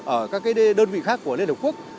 ở các đơn vị khác của liên hợp quốc